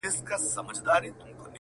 o سړیتوب په ښو اوصافو حاصلېږي,